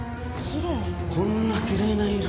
こんなきれいな色。